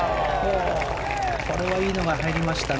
これはいいのが入りましたね。